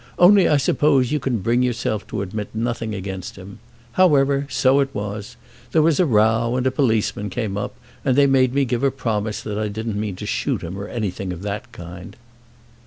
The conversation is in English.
"Only I suppose you can bring yourself to admit nothing against him. However, so it was. There was a row, and a policeman came up, and they made me give a promise that I didn't mean to shoot him or anything of that kind."